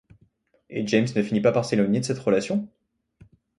Et James ne finit pas par s’éloigner de cette relation ?